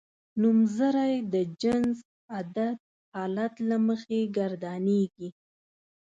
نومځری د جنس عدد حالت له مخې ګردانیږي.